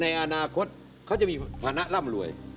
ในอนาคตเขาจะมีฐานะร่ำรวย